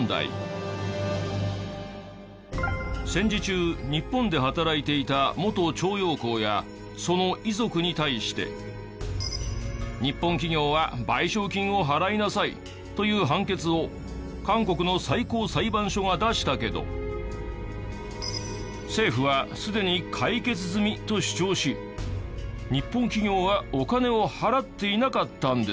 戦時中日本で働いていた元徴用工やその遺族に対して日本企業は賠償金を払いなさいという判決を韓国の最高裁判所が出したけど政府はすでに解決済みと主張し日本企業はお金を払っていなかったんです。